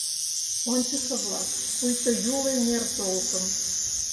Ончышо-влак, пуйто Юл эҥер толкын